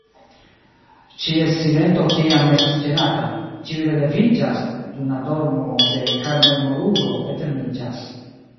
Ĉies silento tiam estas ĝenata; Ĉiuj releviĝas, dum la dormo de karmemorulo eterniĝas.